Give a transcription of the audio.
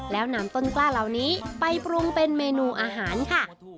แล้วนำต้นกล้าเหล่านี้ไปปรุงเป็นเมนูอาหารค่ะ